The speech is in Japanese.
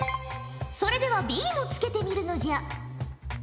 それではＢもつけてみるのじゃ！